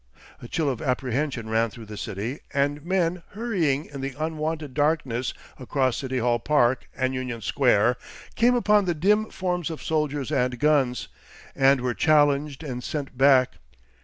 A chill of apprehension ran through the city, and men hurrying in the unwonted darkness across City Hall Park and Union Square came upon the dim forms of soldiers and guns, and were challenged and sent back.